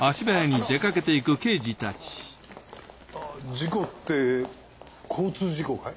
事故って交通事故かい？